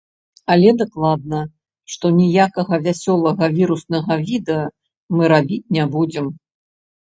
Але дакладна, што ніякага вясёлага віруснага відэа мы рабіць не будзем.